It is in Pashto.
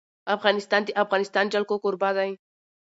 افغانستان د د افغانستان جلکو کوربه دی.